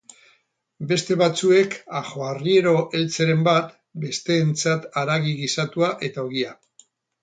Beste batzuek ajoarriero eltzeren bat, besteentzat haragi gisatua eta ogia.